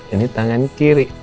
ini tangan kiri